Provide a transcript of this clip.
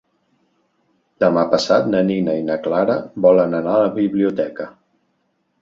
Demà passat na Nina i na Clara volen anar a la biblioteca.